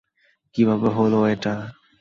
কীভাবে হলো এটা?